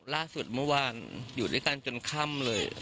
ล่าสุดเมื่อวานอยู่ด้วยกันจนค่ำเลย